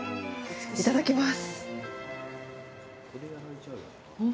いただきます。